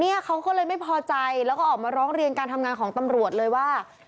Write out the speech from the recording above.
เนี่ยเขาก็เลยไม่พอใจแล้วก็ออกมาร้องเรียนการทำงานของตำรวจเลยว่า